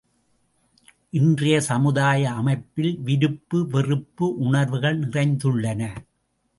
இன்றைய சமுதாய அமைப்பில் விருப்பு வெறுப்பு உணர்வுகள் நிறைந்துள்ளன.